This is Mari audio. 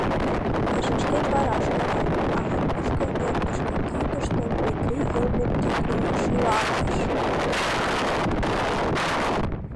Пашашкет вараш кодат... — ала-кушко ӧрдыжкӧ кӱтыштын, Метрий йылме тӱкнылын шӱлалтыш.